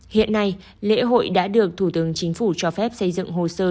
hiện nay lễ hội đã được thủ tướng chính phủ cho phép xây dựng hồ sơ